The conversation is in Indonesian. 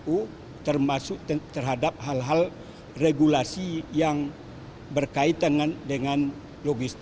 kpu termasuk terhadap hal hal regulasi yang berkaitan dengan logistik